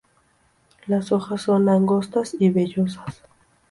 Las hojas son angostas y vellosas.